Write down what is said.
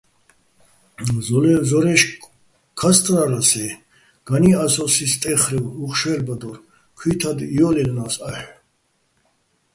ზორა́ჲში̆ ქასტლა́რას-ე́, განი́ ას ო́სი სტე́ხრევ უ̂ხ შვე́ლბადო́რ, ქუ́ჲთად ჲო́ლჲაჲლნა́ს აჰ̦ო̆.